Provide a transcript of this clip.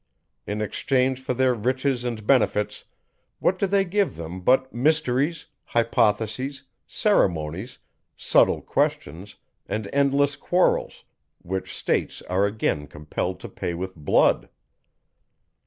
In exchange for their riches and benefits, what do they give them but mysteries, hypotheses, ceremonies, subtle questions, and endless quarrels, which states are again compelled to pay with blood?